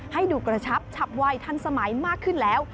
ให้ดูกระชับฉับไวทันสมัยมากขึ้นแล้ว